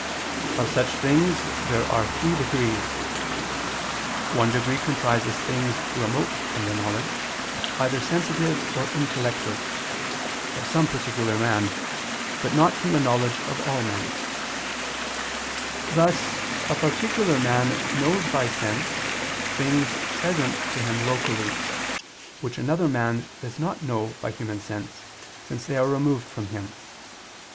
Of such things there are three degrees. One degree comprises things remote from the knowledge, either sensitive or intellective, of some particular man, but not from the knowledge of all men; thus a particular man knows by sense things present to him locally, which another man does not know by human sense, since they are removed from him.